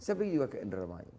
saya pergi juga ke indramayu